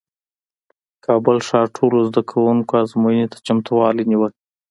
کابل ښار ټولو زدکوونکو ازموینې ته چمتووالی نیوه